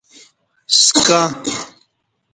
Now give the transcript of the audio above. سکں